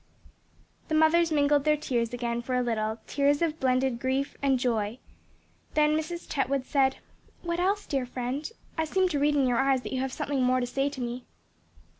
The mothers mingled their tears again for a little, tears of blended grief and joy; then Mrs. Chetwood said "What else dear friend? I seem to read in your eyes that you have something more to say to me."